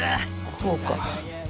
こうか。